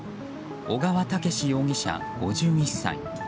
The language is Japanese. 小川武志容疑者、５１歳。